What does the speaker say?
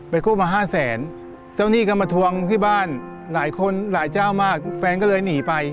กู้มาห้าแสนเจ้าหนี้ก็มาทวงที่บ้านหลายคนหลายเจ้ามากแฟนก็เลยหนีไป